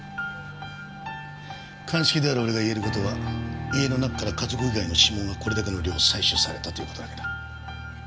鑑識である俺が言える事は家の中から家族以外の指紋がこれだけの量採取されたという事だけだ。